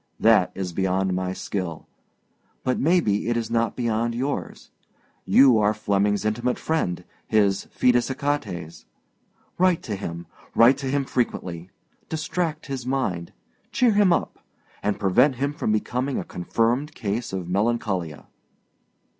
That is beyond my skill, but maybe it is not beyond yours. You are Flemmingâs intimate friend, his fidus Achates. Write to him, write to him frequently, distract his mind, cheer him up, and prevent him from becoming a confirmed case of melancholia.